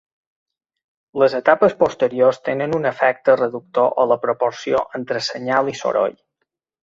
Les etapes posteriors tenen un efecte reductor a la proporció entre senyal i soroll.